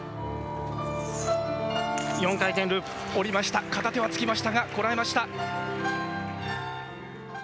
おりました、片手はつきましたが、こらえました。